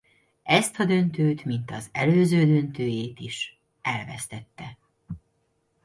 Ezt a döntőt mint az előző döntőjét is elvesztette.